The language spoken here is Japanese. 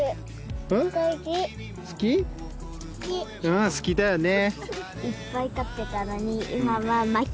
好きうん好きだよね